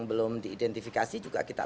belum diidentifikasi juga kita